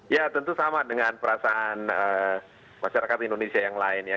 ya tentu sama dengan perasaan masyarakat indonesia yang lain ya